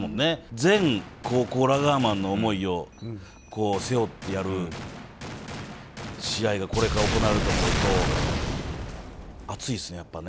全高校ラガーマンの思いを背負ってやる試合がこれから行われると思うと熱いっすね、やっぱね。